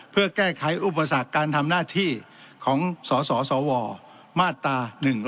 เพื่อแก้ไขอุปสรรคการทำหน้าที่ของสสวมาตรา๑๑๒